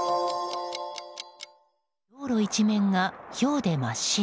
道路一面がひょうで真っ白。